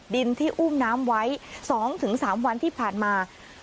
ดินที่อุ้มน้ำไว้๒๓วันที่ผ่านมา